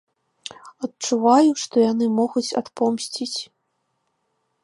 Адчуваю, што яны могуць адпомсціць.